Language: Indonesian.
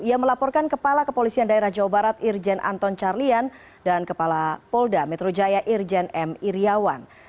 ia melaporkan kepala kepolisian daerah jawa barat irjen anton carlian dan kepala polda metro jaya irjen m iryawan